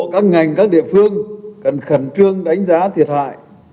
các ngành các địa phương cần khẩn trương đánh giá thiệt hại